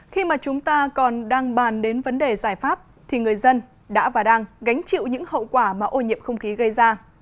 khi mà chúng ta còn đang bàn đến vấn đề giải pháp thì người dân đã và đang gánh chịu những hậu quả mà ô nhiễm không khí gây ra